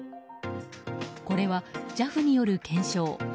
これはＪＡＦによる検証。